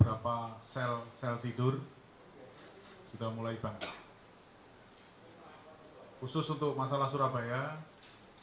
artinya seluruh petugas polri diminta untuk kewaspadaan ini kewaspadaan